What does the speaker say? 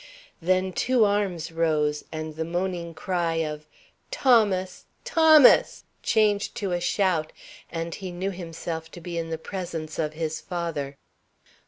Then two arms rose, and the moaning cry of "Thomas! Thomas!" changed to a shout, and he knew himself to be in the presence of his father.